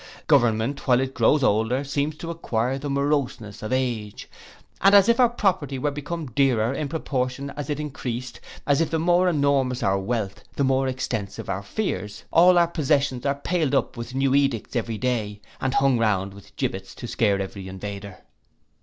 Government, while it grows older, seems to acquire the moroseness of age; and as if our property were become dearer in proportion as it increased, as if the more enormous our wealth, the more extensive our fears, all our possessions are paled up with new edicts every day, and hung round with gibbets to scare every invader.